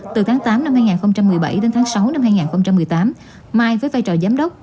từ tháng tám năm hai nghìn một mươi bảy đến tháng sáu năm hai nghìn một mươi tám mai với vai trò giám đốc